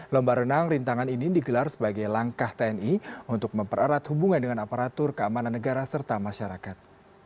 lomba renang rintangan ini digelar sebagai langkah tni untuk mempererat hubungan dengan aparatur keamanan negara serta masyarakat